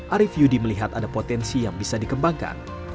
arief yudi melihat ada potensi yang bisa dikembangkan